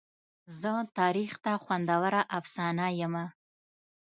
زه تاریخ ته خوندوره افسانه یمه.